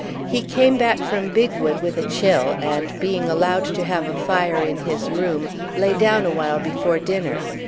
He came back from Bigwood with a chill and, being allowed to have a fire in his room, lay down a while before dinner.